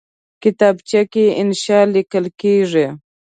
کتابچه کې انشاء لیکل کېږي